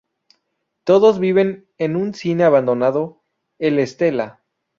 Todos viven en un cine abandonado, el Stella.